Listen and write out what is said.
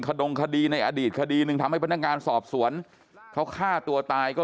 ดงคดีในอดีตคดีหนึ่งทำให้พนักงานสอบสวนเขาฆ่าตัวตายก็